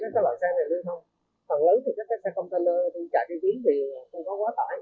cái loại xe này lưu thông phần lớn thì các xe container chạy đi chí thì không có quá tải